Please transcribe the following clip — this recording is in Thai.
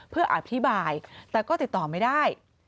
เพื่ออธิบายแต่ก็ติดต่อไม่ได้